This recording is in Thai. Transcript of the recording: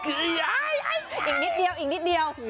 อีกนิดเดียว